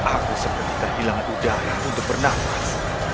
aku sepertinya hilang udara untuk bernafas